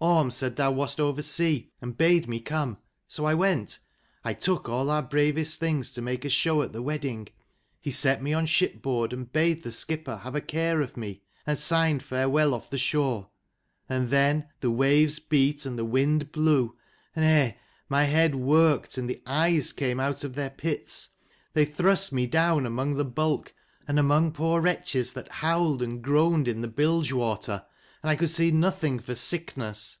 Orm said thou wast oversea, and bade me come. So I went. I took all our bravest things to make a show at the wedding. He set me on shipboard, and bade the skipper have a care of me, and signed farewell off the shore. And then the waves beat and the wind blew, and eh, my head worked, and the eyes came out of their pits. They thrust me down among the bulk, and among poor wretches that howled and groaned in the bilgewater, and I could see nothing for sickness.